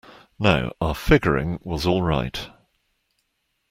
Now our figuring was all right.